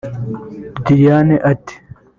Lilian ati